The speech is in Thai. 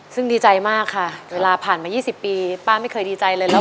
ซึ่งดีใจมากค่ะเวลาผ่านมา๒๐ปีป้าไม่เคยดีใจเลยหรอก